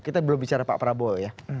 kita belum bicara pak prabowo ya